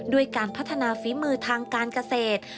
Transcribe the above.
ด้วยการพัฒนาฝีมือทางการเกษตร